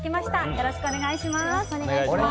よろしくお願いします。